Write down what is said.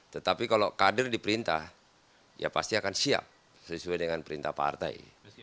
tetapi kalau kader diperintah ya pasti akan siap sesuai dengan perintah partai